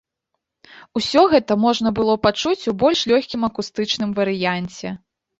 Усё гэта можна было пачуць у больш лёгкім акустычным варыянце.